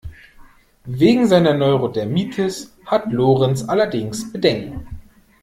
Wegen seiner Neurodermitis hat Lorenz allerdings Bedenken.